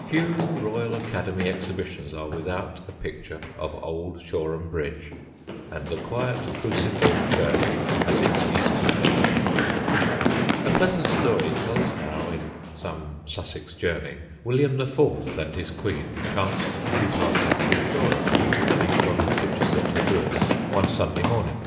Few Royal Academy exhibitions are without a picture of Old Shoreham Bridge and the quiet cruciform church at its eastward end. [Sidenote: THE LOYAL CLERK] A pleasant story tells how, in some Sussex journey, William IV. and his queen chanced to be passing through Shoreham, coming from Chichester to Lewes, one Sunday morning.